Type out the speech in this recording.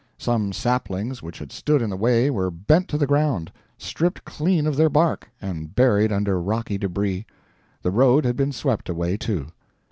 Some saplings which had stood in the way were bent to the ground, stripped clean of their bark, and buried under rocky debris. The road had been swept away, too.